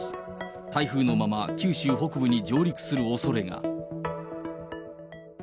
台風のまま九州北部に上陸するおそれが。